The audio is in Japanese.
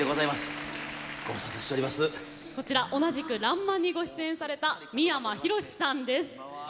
同じく「らんまん」にご出演された三山ひろしさんです。